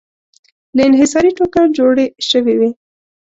له انحصاري ټوکر جوړې شوې وې.